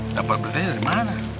dapat perintahnya dari mana